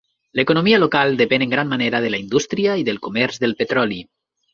L'economia local depèn en gran manera de la indústria i del comerç del petroli.